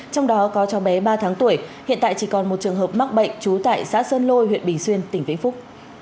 trong đó có cho bé ba tháng tuổi hiện tại chỉ còn một trường hợp mắc bệnh trú tại xã sơn lôi huyện bình xuyên tỉnh vĩnh phúc